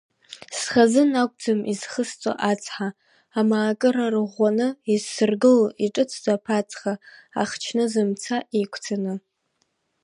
Схазын акәӡам изхысҵо ацҳа, амаакыра рыӷәӷәаны, изсыргыло иҿыцӡа аԥацха, ахчныза-мца еиқәҵаны.